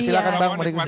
silahkan bang ambience